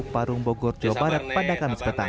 parung bogor jawa barat pada kamis petang